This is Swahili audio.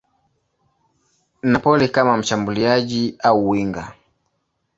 Napoli kama mshambuliaji au winga.